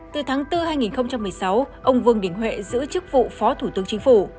từ tháng bốn hai nghìn một mươi sáu ông vương đình huệ giữ chức vụ phó thủ tướng chính phủ